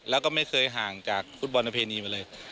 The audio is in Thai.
แล้วก็ไม่เคยห่างจากฟุตบอลประเพณีมาเลย